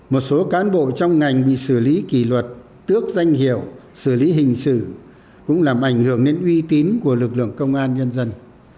một số cán bộ trong ngành bị xử lý kỷ luật tước danh hiệu xử lý hình sự cũng làm ảnh hưởng đến uy tín của lực lượng công an nhân dân